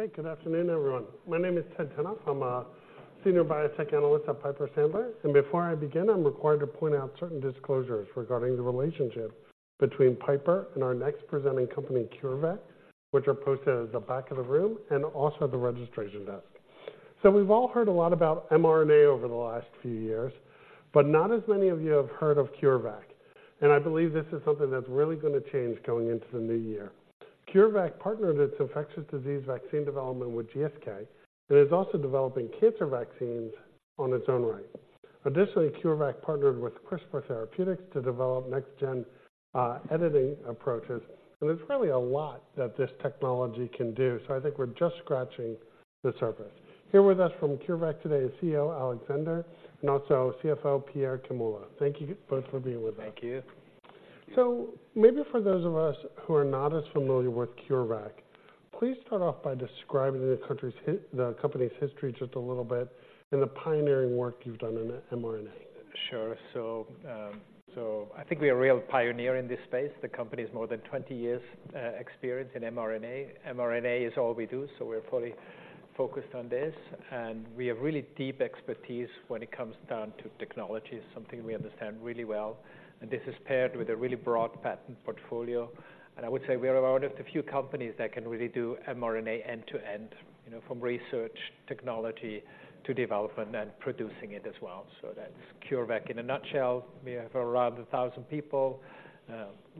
Great. Good afternoon, everyone. My name is Ted Tenthoff. I'm a senior biotech analyst at Piper Sandler, and before I begin, I'm required to point out certain disclosures regarding the relationship between Piper and our next presenting company, CureVac, which are posted at the back of the room and also at the registration desk. So we've all heard a lot about mRNA over the last few years, but not as many of you have heard of CureVac, and I believe this is something that's really going to change going into the new year. CureVac partnered its infectious disease vaccine development with GSK, and is also developing cancer vaccines in its own right. Additionally, CureVac partnered with CRISPR Therapeutics to develop next-gen editing approaches, and there's really a lot that this technology can do, so I think we're just scratching the surface. Here with us from CureVac today is CEO Alexander, and also CFO Pierre Kemula. Thank you both for being with us. Thank you. So maybe for those of us who are not as familiar with CureVac, please start off by describing the company's history just a little bit and the pioneering work you've done in mRNA. Sure. So, I think we are a real pioneer in this space. The company has more than 20 years experience in mRNA. mRNA is all we do, so we're fully focused on this, and we have really deep expertise when it comes down to technology. It's something we understand really well, and this is paired with a really broad patent portfolio. And I would say we are one of the few companies that can really do mRNA end-to-end, you know, from research, technology, to development and producing it as well. So that's CureVac in a nutshell. We have around 1,000 people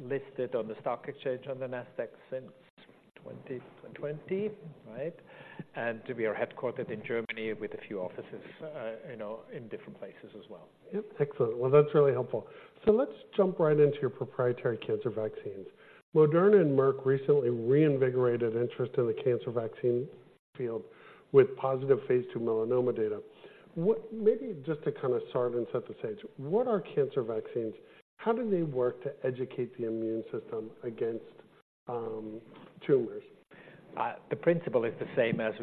listed on the stock exchange, on the Nasdaq since 2020, right? And we are headquartered in Germany with a few offices, you know, in different places as well. Yep. Excellent. Well, that's really helpful. So let's jump right into your proprietary cancer vaccines. Moderna and Merck recently reinvigorated interest in the cancer vaccine field with positive phase 2 melanoma data. Maybe just to kind of start and set the stage, what are cancer vaccines? How do they work to educate the immune system against tumors? The principle is the same as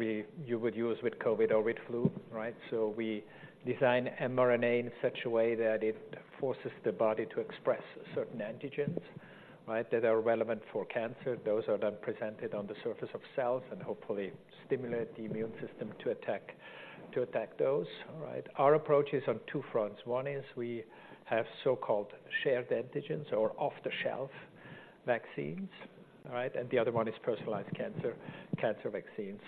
you would use with Covid or with flu, right? So we design mRNA in such a way that it forces the body to express certain antigens, right, that are relevant for cancer. Those are then presented on the surface of cells and hopefully stimulate the immune system to attack, to attack those, all right? Our approach is on two fronts. One is we have so-called shared antigens or off-the-shelf vaccines, all right? And the other one is personalized cancer, cancer vaccines.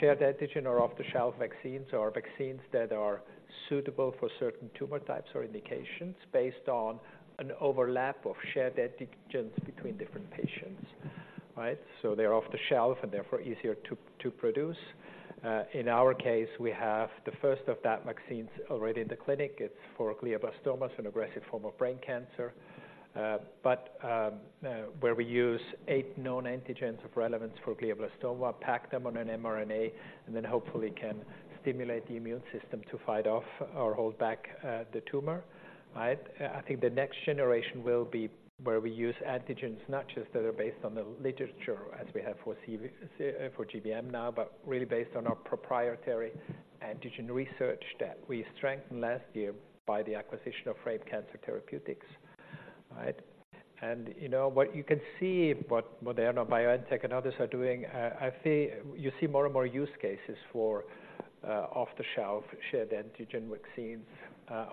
Shared antigen or off-the-shelf vaccines are vaccines that are suitable for certain tumor types or indications based on an overlap of shared antigens between different patients, right? So they're off the shelf and therefore easier to, to produce. In our case, we have the first of that vaccines are already in the clinic. It's for glioblastoma, it's an aggressive form of brain cancer, but where we use eight known antigens of relevance for glioblastoma, pack them on an mRNA, and then hopefully can stimulate the immune system to fight off or hold back the tumor, right? I think the next generation will be where we use antigens, not just that are based on the literature as we have for CV for GBM now, but really based on our proprietary antigen research that we strengthened last year by the acquisition of Frame Cancer Therapeutics, right? And, you know what? You can see what Moderna, BioNTech, and others are doing. You see more and more use cases for off-the-shelf shared antigen vaccines.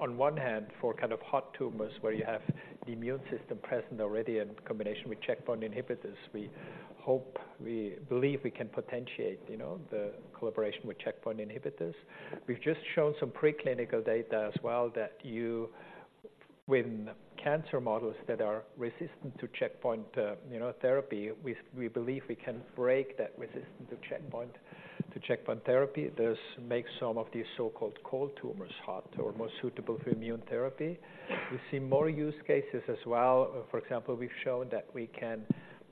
On one hand, for kind of hot tumors where you have the immune system present already in combination with checkpoint inhibitors, we hope, we believe we can potentiate, you know, the collaboration with checkpoint inhibitors. We've just shown some preclinical data as well, that you, with cancer models that are resistant to checkpoint, you know, therapy, we, we believe we can break that resistance to checkpoint, to checkpoint therapy. This makes some of these so-called cold tumors hot or more suitable for immune therapy. We see more use cases as well. For example, we've shown that we can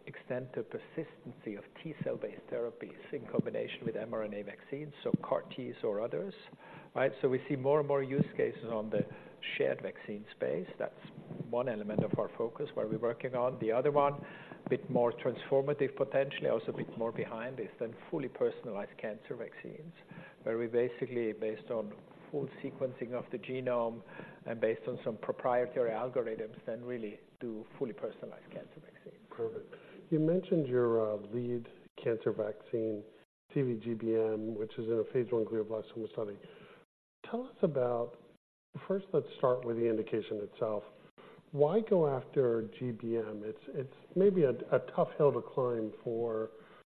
extend the persistency of T-cell based therapies in combination with mRNA vaccines, so CAR Ts or others, right? So we see more and more use cases on the shared vaccine space. That's one element of our focus, where we're working on. The other one, a bit more transformative, potentially also a bit more behind, is then fully personalized cancer vaccines, where we basically, based on full sequencing of the genome and based on some proprietary algorithms, then really do fully personalized cancer vaccines. Perfect. You mentioned your lead cancer vaccine, CVGBM, which is in a phase one glioblastoma study. Tell us about... First, let's start with the indication itself. Why go after GBM? It's maybe a tough hill to climb for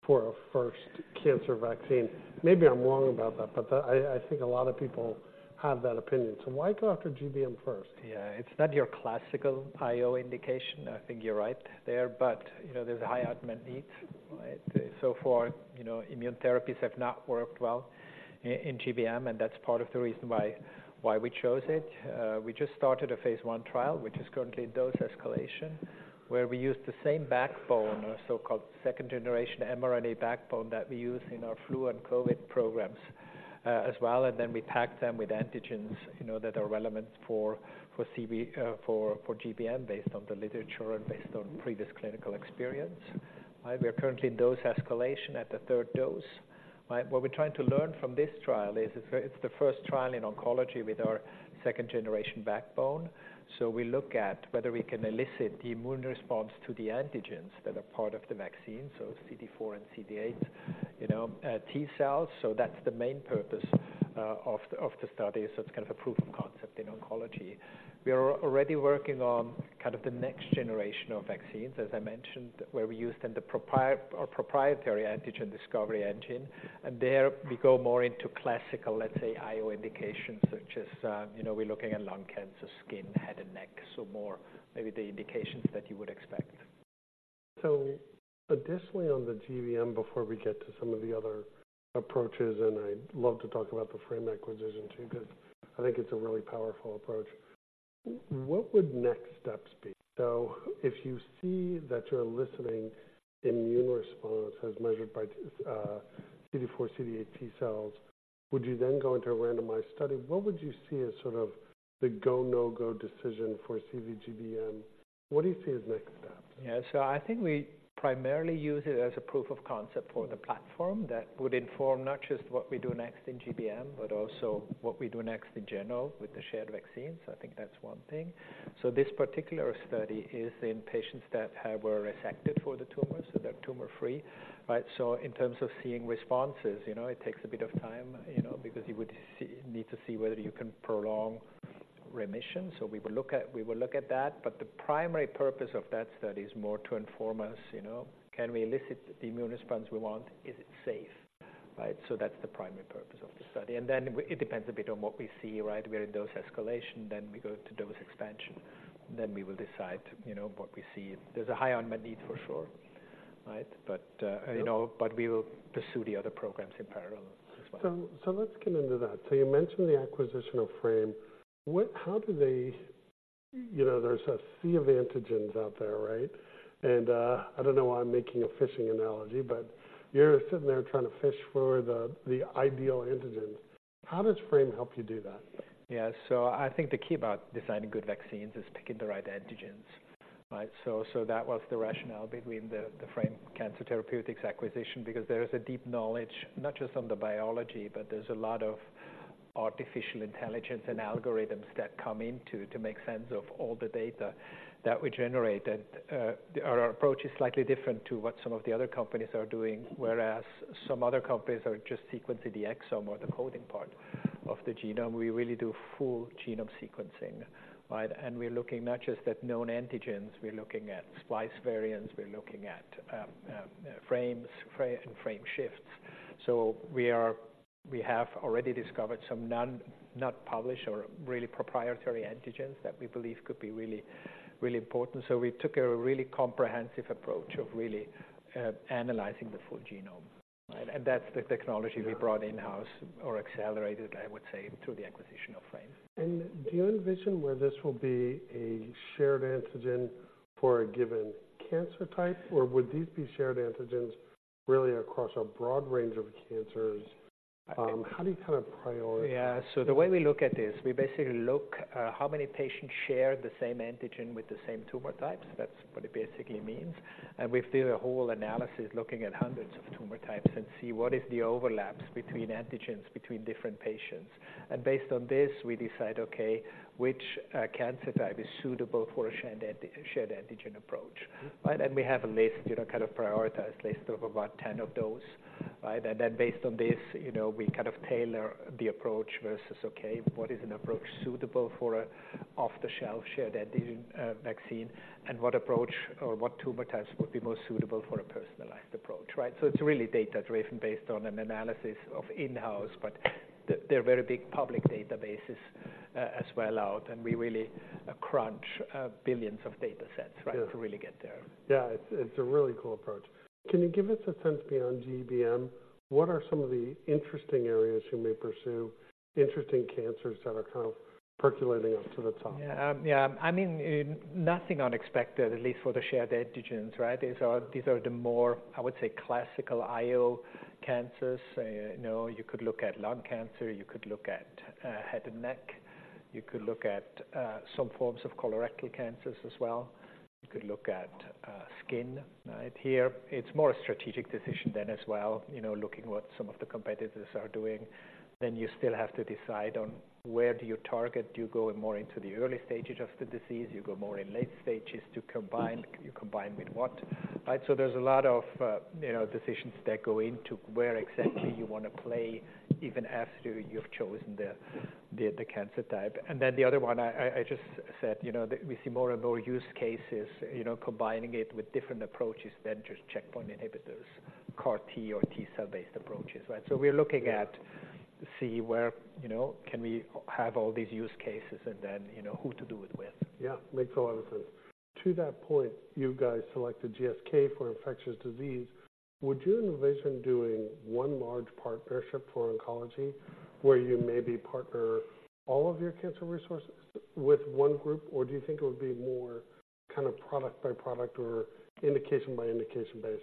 a first cancer vaccine. Maybe I'm wrong about that, but I think a lot of people have that opinion. So why go after GBM first? Yeah. It's not your classical IO indication. I think you're right there, but, you know, there's a high unmet need, right? So far, you know, immune therapies have not worked well in GBM, and that's part of the reason why we chose it. We just started a phase 1 trial, which is currently in dose escalation, where we use the same backbone or so-called second generation mRNA backbone that we use in our flu and COVID programs, as well, and then we pack them with antigens, you know, that are relevant for CVGBM, based on the literature and based on previous clinical experience. We are currently in dose escalation at the third dose. Right. What we're trying to learn from this trial is, it's the first trial in oncology with our second generation backbone. So we look at whether we can elicit the immune response to the antigens that are part of the vaccine, so CD4 and CD8, you know, T cells. So that's the main purpose of the study. So it's kind of a proof of concept in oncology. We are already working on kind of the next generation of vaccines, as I mentioned, where we used our proprietary antigen discovery engine. And there we go more into classical, let's say, IO indications, such as, you know, we're looking at lung cancer, skin, head and neck, so more maybe the indications that you would expect. So additionally, on the GBM, before we get to some of the other approaches, and I'd love to talk about the Frame acquisition too, because I think it's a really powerful approach. What would next steps be? So if you see that you're eliciting immune response as measured by CD4/CD8 T cells, would you then go into a randomized study? What would you see as sort of the go, no-go decision for CVGBM? What do you see as next steps? Yeah. So I think we primarily use it as a proof of concept for the platform that would inform not just what we do next in GBM, but also what we do next in general with the shared vaccines. So I think that's one thing. So this particular study is in patients that were resected for the tumor, so they're tumor-free, right? So in terms of seeing responses, you know, it takes a bit of time, you know, because you would see... need to see whether you can prolong remission. So we will look at that, but the primary purpose of that study is more to inform us, you know, can we elicit the immune response we want? Is it safe, right? So that's the primary purpose of the study. And then it depends a bit on what we see, right? We're in dose escalation, then we go to dose expansion, then we will decide, you know, what we see. There's a high unmet need for sure, right? But, you know, but we will pursue the other programs in parallel as well. So let's get into that. So you mentioned the acquisition of Frame. How do they... You know, there's a sea of antigens out there, right? And, I don't know why I'm making a fishing analogy, but you're sitting there trying to fish for the ideal antigens. How does Frame help you do that? Yeah. So I think the key about designing good vaccines is picking the right antigens, right? So that was the rationale between the Frame Cancer Therapeutics acquisition, because there is a deep knowledge, not just on the biology, but there's a lot of artificial intelligence and algorithms that come in to make sense of all the data that we generate. And our approach is slightly different to what some of the other companies are doing. Whereas some other companies are just sequencing the exome or the coding part of the genome, we really do full genome sequencing, right? And we're looking not just at known antigens, we're looking at splice variants, we're looking at frames and frameshifts. We have already discovered some not published or really proprietary antigens that we believe could be really, really important. So we took a really comprehensive approach of really analyzing the full genome, right? And that's the technology we brought in-house or accelerated, I would say, through the acquisition of Frame. Do you envision where this will be a shared antigen for a given cancer type, or would these be shared antigens really across a broad range of cancers? How do you kind of prioritize? Yeah. So the way we look at this, we basically look at how many patients share the same antigen with the same tumor types. That's what it basically means. And we do a whole analysis looking at hundreds of tumor types and see what is the overlaps between antigens, between different patients. And based on this, we decide, okay, which cancer type is suitable for a shared antigen approach, right? And we have a list, you know, kind of prioritized list of about 10 of those, right? And then based on this, you know, we kind of tailor the approach versus, okay, what is an approach suitable for an off-the-shelf shared antigen vaccine, and what approach or what tumor types would be most suitable for a personalized approach, right? So it's really data-driven based on an analysis of in-house, but they're very big public databases as well out, and we really crunch billions of data sets, right? Yeah. To really get there. Yeah, it's a really cool approach. Can you give us a sense beyond GBM, what are some of the interesting areas you may pursue, interesting cancers that are kind of percolating up to the top? Yeah. Yeah, I mean, nothing unexpected, at least for the shared antigens, right? These are the more, I would say, classical IO cancers. You know, you could look at lung cancer, you could look at head and neck, you could look at some forms of colorectal cancers as well. You could look at skin, right? Here, it's more a strategic decision then as well, you know, looking at what some of the competitors are doing. Then you still have to decide on where do you target. Do you go more into the early stages of the disease? Do you go more in late stages to combine? You combine with what, right? So there's a lot of, you know, decisions that go into where exactly you want to play, even after you've chosen the cancer type. And then the other one, I just said, you know, that we see more and more use cases, you know, combining it with different approaches than just checkpoint inhibitors, CAR T or T cell-based approaches, right? So we're looking at- Yeah ... see where, you know, can we have all these use cases and then, you know, who to do it with. Yeah, makes a lot of sense. To that point, you guys selected GSK for infectious disease. Would you envision doing one large partnership for oncology, where you maybe partner all of your cancer resources with one group? Or do you think it would be more kind of product by product or indication by indication basis?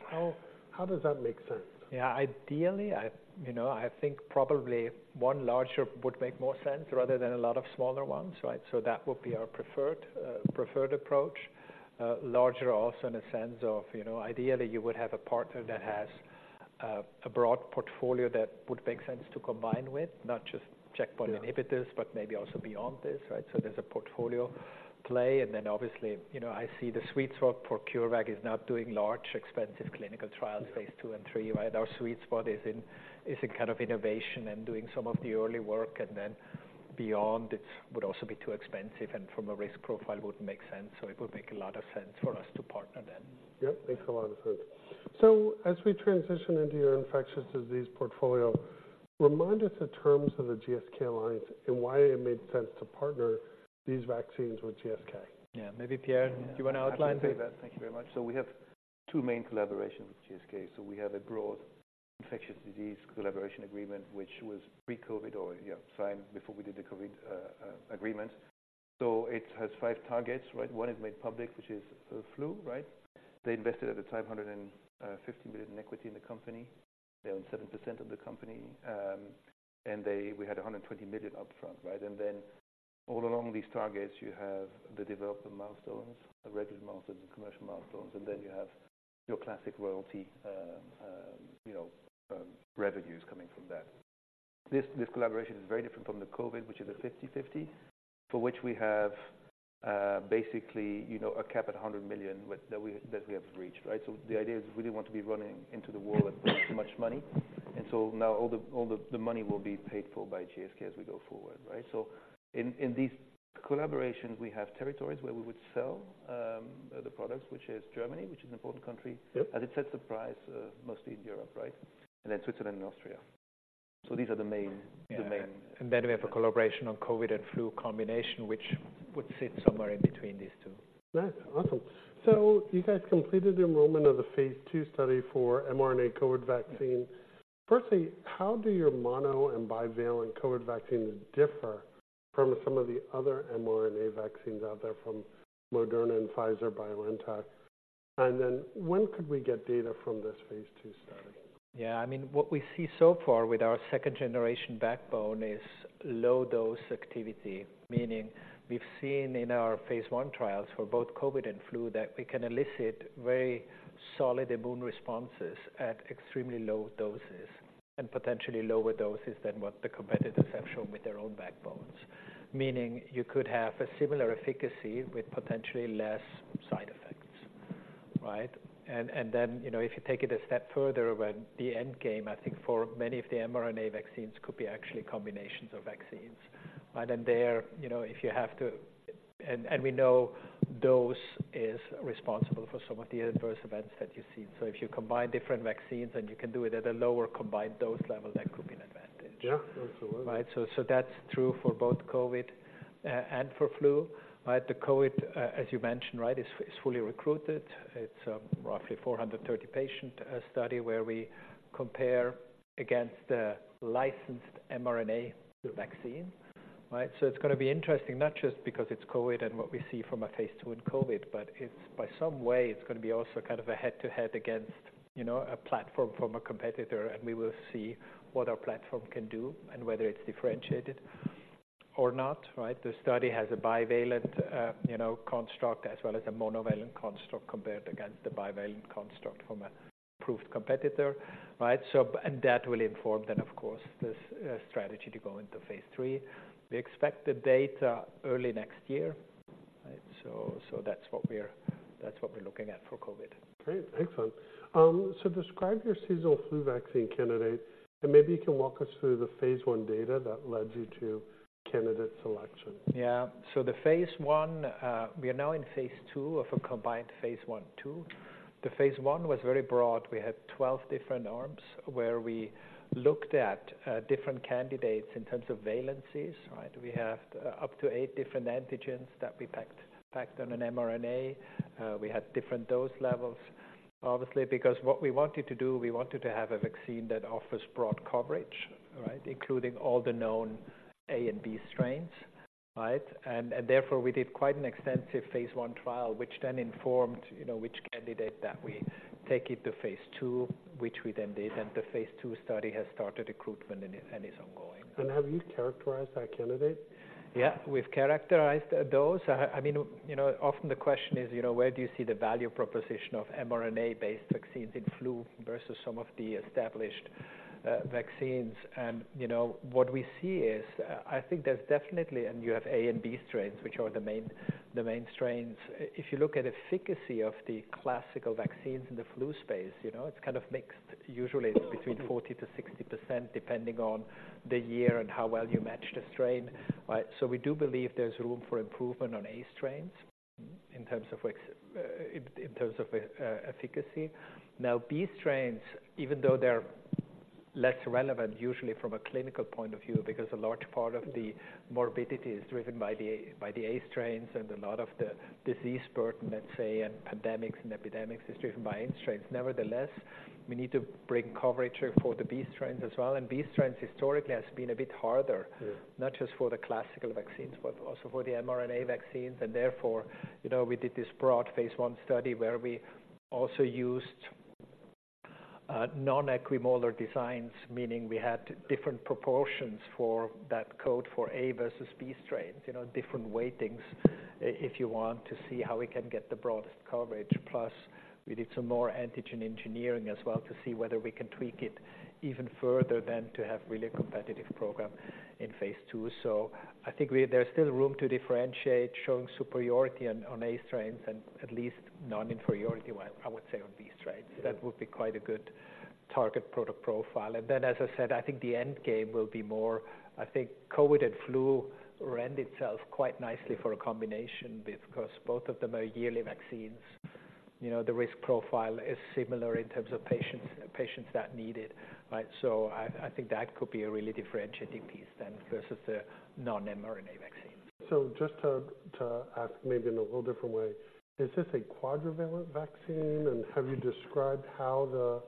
How does that make sense? Yeah, ideally, I, you know, I think probably one larger would make more sense rather than a lot of smaller ones, right? So that would be our preferred approach. Larger also in the sense of, you know, ideally, you would have a partner that has a broad portfolio that would make sense to combine with, not just checkpoint inhibitors- Yeah. But maybe also beyond this, right? So there's a portfolio play, and then obviously, you know, I see the sweet spot for CureVac is not doing large, expensive clinical trials, phase 2 and 3, right? Our sweet spot is in, is in kind of innovation and doing some of the early work, and then beyond, it would also be too expensive, and from a risk profile, wouldn't make sense. So it would make a lot of sense for us to partner then. Yep, makes a lot of sense. As we transition into your infectious disease portfolio, remind us the terms of the GSK alliance and why it made sense to partner these vaccines with GSK. Yeah. Maybe, Pierre, do you want to outline that? Thank you very much. So we have two main collaborations with GSK. So we have a broad infectious disease collaboration agreement, which was pre-COVID or, yeah, signed before we did the COVID agreement. So it has five targets, right? One is made public, which is flu, right? They invested, at the time, 150 million in equity in the company. They own 7% of the company, and they, we had 120 million up front, right? And then all along these targets, you have the development milestones, the regular milestones, the commercial milestones, and then you have your classic royalty, you know, revenues coming from that. This collaboration is very different from the COVID, which is a 50/50, for which we have, basically, you know, a cap at $100 million, which we have reached, right? So the idea is we didn't want to be running into the wall with too much money. So now all the money will be paid for by GSK as we go forward, right? So in these collaborations, we have territories where we would sell the products, which is Germany, which is an important country. Yep. As it sets the price, mostly in Europe, right? And then Switzerland and Austria. So these are the main, the main And then we have a collaboration on COVID and flu combination, which would sit somewhere in between these two. Nice. Awesome. So you guys completed the enrollment of the phase 2 study for mRNA COVID vaccine. Firstly, how do your mono and bivalent COVID vaccines differ from some of the other mRNA vaccines out there from Moderna and Pfizer-BioNTech? And then when could we get data from this phase 2 study? Yeah, I mean, what we see so far with our second generation backbone is low dose activity, meaning we've seen in our phase one trials for both COVID and flu, that we can elicit very solid immune responses at extremely low doses, and potentially lower doses than what the competitors have shown with their own backbones. Meaning you could have a similar efficacy with potentially less side effects, right? And, and then, you know, if you take it a step further, when the end game, I think for many of the mRNA vaccines, could be actually combinations of vaccines, right? And there, you know, if you have to... And, and we know dose is responsible for some of the adverse events that you've seen. So if you combine different vaccines and you can do it at a lower combined dose level, that could be an advantage. Yeah, absolutely. Right. So that's true for both COVID and for flu, right? The COVID, as you mentioned, right, is fully recruited. It's roughly 430-patient study, where we compare against the licensed mRNA vaccine, right? So it's gonna be interesting, not just because it's COVID and what we see from a phase two in COVID, but it's by some way, it's gonna be also kind of a head-to-head against, you know, a platform from a competitor, and we will see what our platform can do and whether it's differentiated or not, right? The study has a bivalent, you know, construct, as well as a monovalent construct compared against the bivalent construct from an approved competitor, right? So and that will inform then, of course, this strategy to go into phase three. We expect the data early next year, right? So that's what we're looking at for COVID. Great. Excellent. So describe your seasonal flu vaccine candidate, and maybe you can walk us through the phase 1 data that led you to candidate selection. Yeah. So the phase 1, we are now in phase 2 of a combined phase 1/2. The phase 1 was very broad. We had 12 different arms, where we looked at different candidates in terms of valencies, right? We have up to eight different antigens that we packed on an mRNA. We had different dose levels, obviously, because what we wanted to do, we wanted to have a vaccine that offers broad coverage, right? Including all the known A and B strains, right? And therefore, we did quite an extensive phase 1 trial, which then informed, you know, which candidate that we take into phase 2, which we then did, and the phase 2 study has started recruitment and is ongoing. Have you characterized that candidate? Yeah, we've characterized a dose. I mean, you know, often the question is, you know, where do you see the value proposition of mRNA-based vaccines in flu versus some of the established, vaccines? And, you know, what we see is, I think there's definitely... And you have A and B strains, which are the main strains. If you look at efficacy of the classical vaccines in the flu space, you know, it's kind of mixed. Usually, it's between 40%-60%, depending on the year and how well you match the strain, right? So we do believe there's room for improvement on A strains in terms of efficacy. Now, B strains, even though they're less relevant, usually from a clinical point of view, because a large part of the morbidity is driven by the A, by the A strains, and a lot of the disease burden, let's say, and pandemics and epidemics is driven by A strains. Nevertheless, we need to bring coverage for the B strains as well, and B strains historically has been a bit harder- Yeah. Not just for the classical vaccines, but also for the mRNA vaccines. Therefore, you know, we did this broad phase one study where we also used non-equimolar designs, meaning we had different proportions for that code, for A versus B strains, you know, different weightings, if you want to see how we can get the broadest coverage. Plus, we did some more antigen engineering as well to see whether we can tweak it even further to have really a competitive program in phase two. So I think there's still room to differentiate, showing superiority on A strains and at least non-inferiority, well, I would say on B strains. That would be quite a good target product profile. And then, as I said, I think the end game will be more... I think COVID and flu lend itself quite nicely for a combination because both of them are yearly vaccines. You know, the risk profile is similar in terms of patients, patients that need it, right? So I, I think that could be a really differentiating piece then, versus the non-mRNA vaccines. So just to ask, maybe in a little different way, is this a quadrivalent vaccine? And have you described how the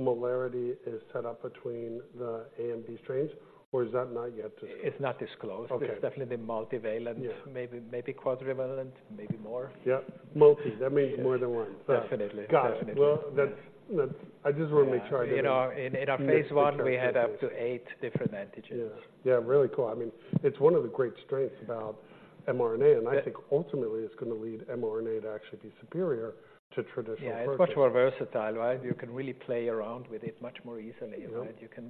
molarity is set up between the A and B strains, or is that not yet disclosed? It's not disclosed. Okay. It's definitely the multivalent- Yeah. Maybe, maybe quadrivalent, maybe more. Yeah, multi. That means more than one. Definitely. Got it. Definitely. Well, that's... I just want to make sure I get it. In our phase 1, we had up to eight different antigens. Yeah. Yeah, really cool. I mean, it's one of the great strengths about mRNA, and I think ultimately it's going to lead mRNA to actually be superior to traditional versions. Yeah, it's much more versatile, right? You can really play around with it much more easily, right? Yeah.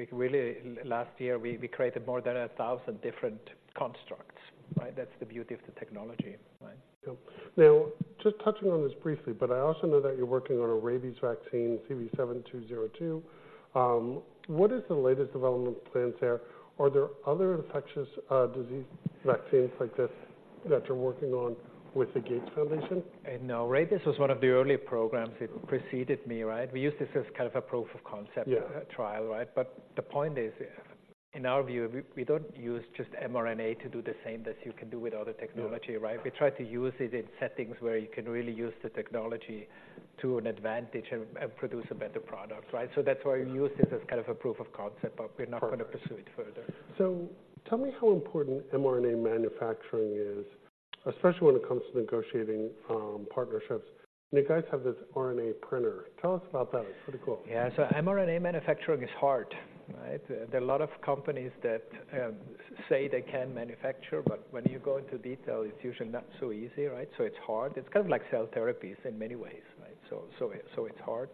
We really, last year, we created more than 1,000 different constructs, right? That's the beauty of the technology, right. Cool. Now, just touching on this briefly, but I also know that you're working on a rabies vaccine, CV7202. What is the latest development plans there? Are there other infectious, disease vaccines like this that you're working on with the Gates Foundation? No. Rabies was one of the earlier programs that preceded me, right? We use this as kind of a proof of concept- Yeah... trial, right? But the point is, in our view, we don't use just mRNA to do the same as you can do with other technology, right? Yeah. We try to use it in settings where you can really use the technology to an advantage and produce a better product, right? So that's why we use this as kind of a proof of concept, but we're not going to pursue it further. Tell me how important mRNA manufacturing is, especially when it comes to negotiating partnerships. You guys have this RNA Printer. Tell us about that. It's pretty cool. Yeah. So mRNA manufacturing is hard, right? There are a lot of companies that say they can manufacture, but when you go into detail, it's usually not so easy, right? So it's hard. It's kind of like cell therapies in many ways, right? So it's hard.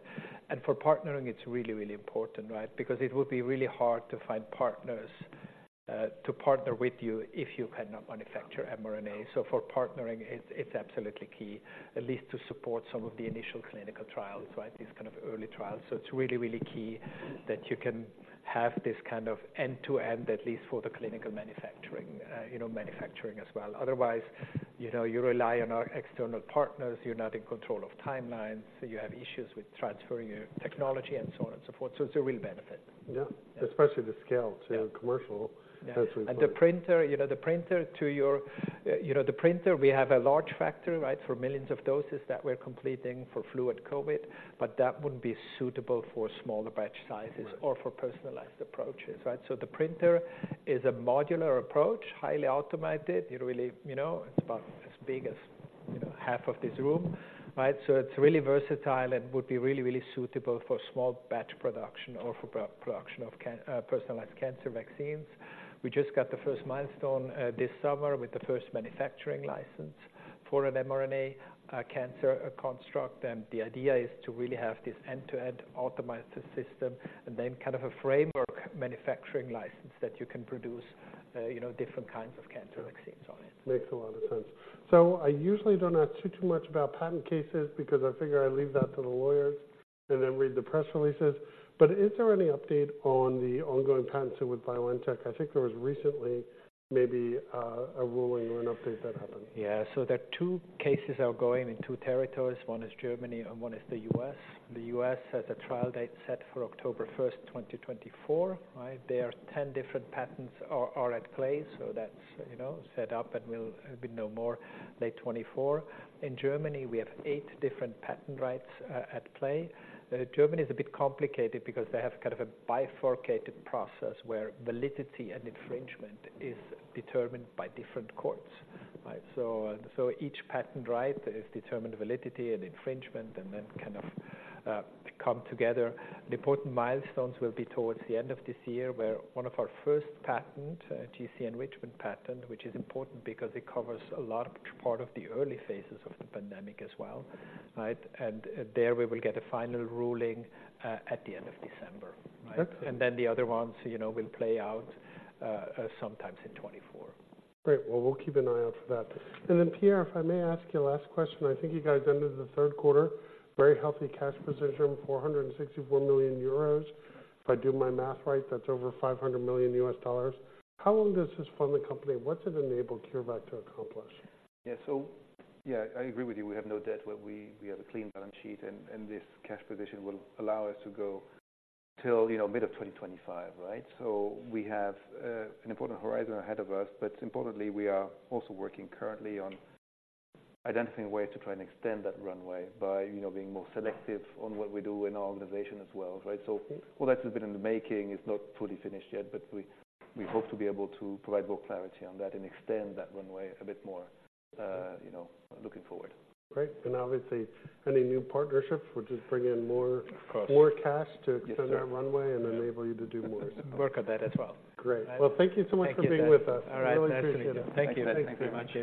And for partnering, it's really, really important, right? Because it would be really hard to find partners to partner with you if you cannot manufacture mRNA. So for partnering, it's absolutely key, at least to support some of the initial clinical trials, right? These kind of early trials. So it's really, really key that you can have this kind of end-to-end, at least for the clinical manufacturing, you know, manufacturing as well. Otherwise, you know, you rely on our external partners, you're not in control of timelines, so you have issues with transferring your technology and so on and so forth. So it's a real benefit. Yeah. Yeah. Especially the scale to commercial. Yeah. That's important. The printer, you know, the printer to your, you know, the printer, we have a large factory, right, for millions of doses that we're completing for flu and COVID, but that wouldn't be suitable for smaller batch sizes. Right... or for personalized approaches, right? So the printer is a modular approach, highly automated. It really, you know, it's about as big as, you know, half of this room, right? So it's really versatile and would be really, really suitable for small batch production or for pre-production of personalized cancer vaccines. We just got the first milestone this summer with the first manufacturing license for an mRNA cancer construct. And the idea is to really have this end-to-end optimized system and then kind of a framework manufacturing license that you can produce, you know, different kinds of cancer vaccines on it. Makes a lot of sense. So I usually don't ask too, too much about patent cases, because I figure I leave that to the lawyers and then read the press releases. But is there any update on the ongoing patent suit with BioNTech? I think there was recently maybe a ruling or an update that happened. Yeah. So there are two cases ongoing in two territories. One is Germany and one is the US. The US has a trial date set for October 1st, 2024, right? There are 10 different patents at play, so that's, you know, set up and we'll know more late 2024. In Germany, we have eight different patent rights at play. Germany is a bit complicated because they have kind of a bifurcated process where validity and infringement is determined by different courts, right? So each patent right is determined validity and infringement and then kind of come together. The important milestones will be towards the end of this year, where one of our first patent, GC enrichment patent, which is important because it covers a large part of the early phases of the pandemic as well, right? And there, we will get a final ruling at the end of December, right? Okay. And then the other ones, you know, will play out, sometimes in 2024. Great. Well, we'll keep an eye out for that. And then, Pierre, if I may ask you a last question. I think you guys ended the third quarter, very healthy cash position, 464 million euros. If I do my math right, that's over $500 million. How long does this fund the company? What's it enabled CureVac to accomplish? Yeah. So yeah, I agree with you. We have no debt, but we have a clean balance sheet, and this cash position will allow us to go till, you know, mid of 2025, right? So we have an important horizon ahead of us. But importantly, we are also working currently on identifying a way to try and extend that runway by, you know, being more selective on what we do in our organization as well, right? So- Okay... well, that's a bit in the making. It's not fully finished yet, but we hope to be able to provide more clarity on that and extend that runway a bit more, you know, looking forward. Great. Obviously, any new partnerships, which is bring in more- Of course... more cash to- Yes, sir extend that runway and enable you to do more. Work on that as well. Great. All right. Well, thank you so much for being with us. Thank you. All right. I really appreciate it. Thank you. Thanks very much.